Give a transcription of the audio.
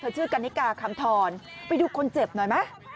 ชื่อกันนิกาคำทรไปดูคนเจ็บหน่อยไหม